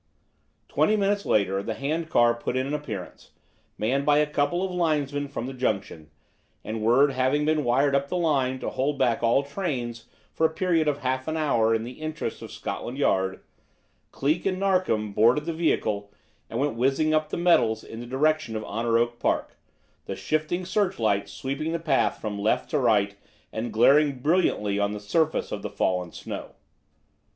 Twenty minutes later the hand car put in an appearance, manned by a couple of linemen from the junction, and, word having been wired up the line to hold back all trains for a period of half an hour in the interests of Scotland Yard, Cleek and Narkom boarded the vehicle, and went whizzing up the metals in the direction of Honor Oak Park, the shifting searchlight sweeping the path from left to right and glaring brilliantly on the surface of the fallen snow.